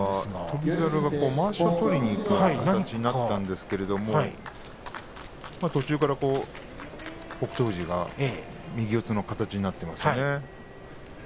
翔猿がまわしを取りにいくような形になったんですけど途中から北勝富士が右四つの形になりましたね。